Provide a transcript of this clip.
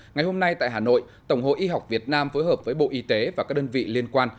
ngày hôm nay tại hà nội tổng hội y học việt nam phối hợp với bộ y tế và các đơn vị liên quan